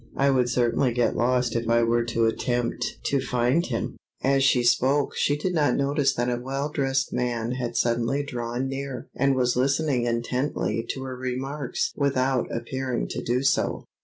I would certainly get lost if I were to attempt to find him." As she spoke she did not notice that a well dressed man had suddenly drawn near and was listening intently to her remarks without appearing to do so.